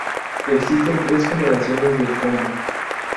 Existen tres generaciones del Combo.